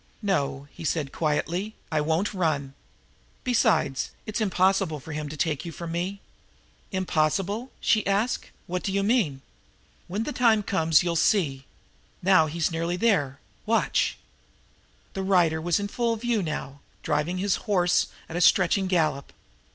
"No," he said quietly, "I won't run. Besides it is impossible for him to take you from me." "Impossible?" she asked. "What do you mean?" "When the time comes you'll see! Now he's nearly there watch!" The rider was in full view now, driving his horse at a stretching gallop.